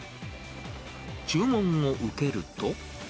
注文を受けると。